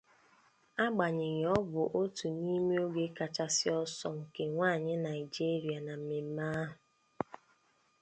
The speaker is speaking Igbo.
Agbanyeghị ọ bụ otu n'ime oge kachasị ọsọ nke nwanyị Naijiria na mmemme ahụ.